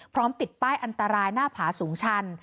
ติดป้ายอันตรายหน้าผาสูงชัน